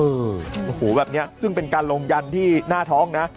โอ้โหแบบนี้ซึ่งเป็นการลงยันที่หน้าท้องนะ